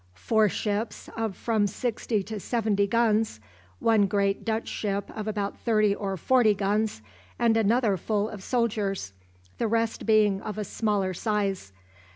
Four ships of from sixty to seventy guns, one great Dutch ship of about thirty or forty guns, and another full of soldiers, the rest being of a smaller size.